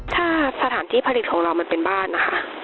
ถ้าสถานที่ผลิตของเรามันเป็นบ้านนะคะ